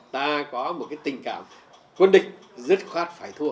ta có một cái tình cảm quân địch dứt khoát phải thua